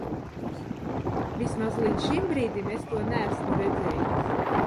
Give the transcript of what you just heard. Vismaz līdz šim brīdim es to neesmu redzējis.